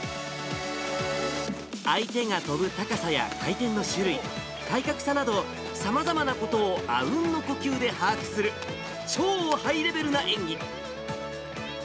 相手が跳ぶ高さや回転の種類、体格差など、さまざまなことをあうんの呼吸で把握する、超ハイレベルな演技。